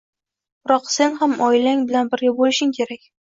Biroq sen ham oilang bilan birga bo‘lishing kerak.